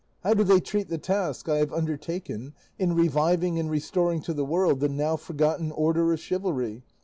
How do they treat the task I have undertaken in reviving and restoring to the world the now forgotten order of chivalry?